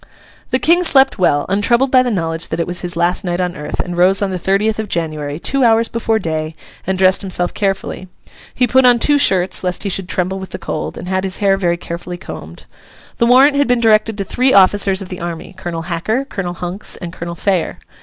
The King slept well, untroubled by the knowledge that it was his last night on earth, and rose on the thirtieth of January, two hours before day, and dressed himself carefully. He put on two shirts lest he should tremble with the cold, and had his hair very carefully combed. The warrant had been directed to three officers of the army, Colonel Hacker, Colonel Hunks, and Colonel Phayer.